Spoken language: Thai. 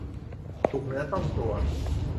ถูกเนื้อต้องตัว